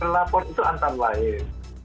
lapor itu antara lain